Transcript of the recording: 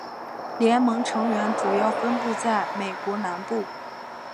联盟成员主要分布在美国南部。